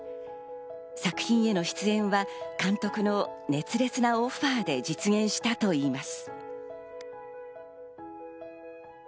作品への出演は監督の熱烈なオファーで実現したといいます。